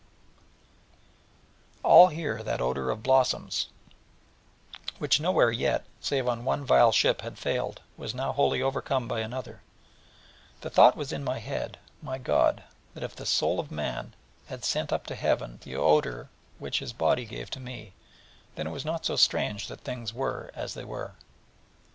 And all here that odour of blossoms, which nowhere yet, save on one vile ship, had failed, was now wholly overcome by another: and the thought was in my head, my God, that if the soul of man had sent up to Heaven the odour which his body gave to me, then it was not so strange that things were as they were.